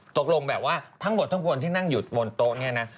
ตกลงแบบว่าทั้งหมดทั้งคนที่นั่งอยู่บนโต๊ะเนี่ยนะ